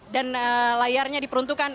dan layarnya diperuntukkan